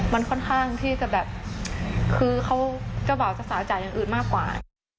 มันค่อนข้างที่หมดคือเขาบ่าวศาษาจ่ายงานอื่นมากกว่า